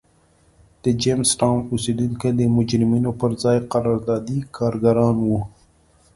د جېمز ټاون اوسېدونکي د مجرمینو پر ځای قراردادي کارګران وو.